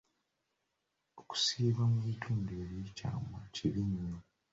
Okusiiyibwa mu bitundu by’ekyama kibi nnyo.